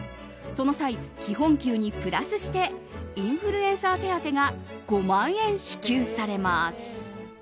その際、基本給にプラスしてインフルエンサー手当が５万円支給されます。